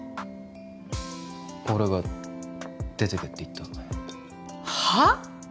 俺が出てけって言ったはあ？